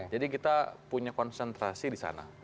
jadi kita punya konsentrasi di sana